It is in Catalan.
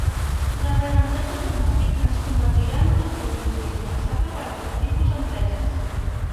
L'aprenentatge automàtic es convertirà en un actiu indispensable per a tot tipus d'empreses.